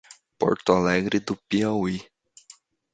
Porto Alegre do Piauí